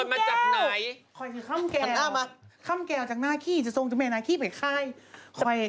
คุณแม่ฉันจะช่วยฉันเห็นคำแก้วค่อยถือคำแก้วค่อยถือคำแก้วจากหน้าขี้จะทรงเจ้าแม่หน้าขี้ไปไข้